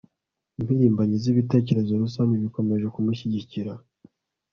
impirimbanyi zibitekerezo rusange bikomeje kumushyigikira